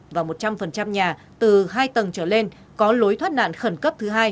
và một trăm linh nhà từ hai tầng trở lên có lối thoát nạn khẩn cấp thứ hai